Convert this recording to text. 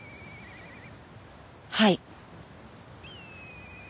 はい。